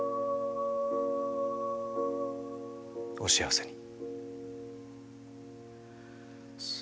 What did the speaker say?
お幸せに。